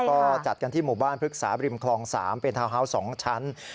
ก็จัดกันที่หมู่บ้านพฤกษาบริมคลอง๓เป็นทาวน์ฮาวส์๒ชั้น